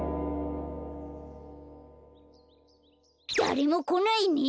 だれもこないね。